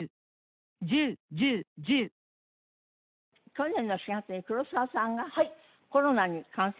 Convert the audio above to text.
去年の４月に黒沢さんがコロナに感染なすったって。